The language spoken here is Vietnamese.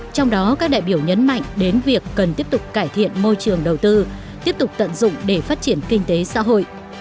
trong đó các đại biểu nhấn mạnh đến việc cần tiếp tục cải thiện môi trường đầu tư tiếp tục tận dụng để phát triển kinh tế xã hội